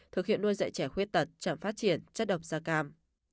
thực hiện nuôi dạy trẻ khuyết tật chẳng phát triển chất độc da cam